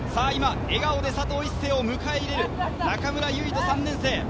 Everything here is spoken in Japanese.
今、笑顔で佐藤一世を迎え入れる中村唯翔・３年生。